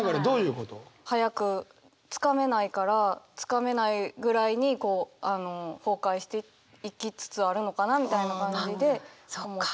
早く掴めないから掴めないぐらいに崩壊していきつつあるのかなみたいな感じで思って。